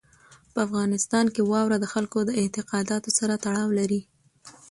په افغانستان کې واوره د خلکو د اعتقاداتو سره تړاو لري.